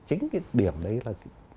chính cái điểm đấy là